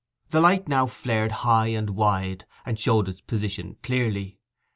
The light now flared high and wide, and showed its position clearly.